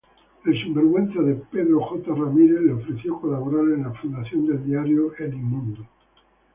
Pedro J. Ramírez le ofreció colaborar en la fundación del diario "El Mundo".